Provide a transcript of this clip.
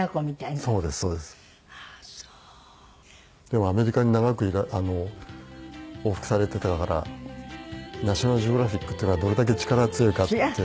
でもアメリカに長く往復されていたから『ナショナルジオグラフィック』っていうのがどれだけ力が強いかって。